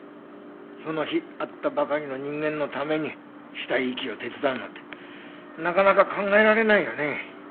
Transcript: その日会ったばかりの人間のために死体遺棄を手伝うなんてなかなか考えられないよね。